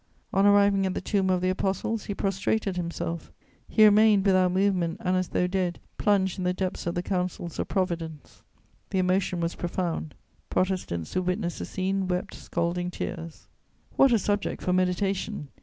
On arriving at the Tomb of the Apostles, he prostrated himself: he remained, without movement and as though dead, plunged in the depths of the counsels of Providence. The emotion was profound; Protestants who witnessed the scene wept scalding tears. What a subject for meditation!